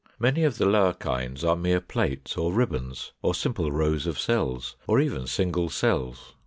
Many of the lower kinds are mere plates, or ribbons, or simple rows of cells, or even single cells.